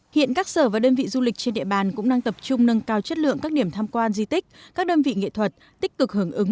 hiện các sở và đơn vị du lịch trên địa bàn cũng đang tập trung nâng cao chất lượng các điểm tham quan di tích các đơn vị nghệ thuật tích cực hưởng ứng